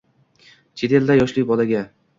Chet elda yoshli bolaga